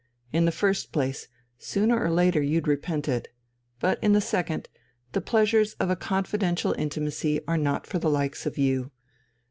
In the first place, sooner or later you'd repent it. But in the second, the pleasures of a confidential intimacy are not for the likes of you.